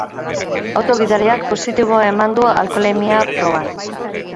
Auto gidariak positibo eman du alkoholemia proban.